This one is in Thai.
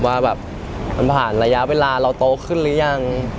ว่าแบบมันผ่านระยะเวลาเราโตขึ้นหรือยัง